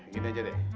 gini aja deh